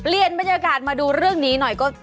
บรรยากาศมาดูเรื่องนี้หน่อยก็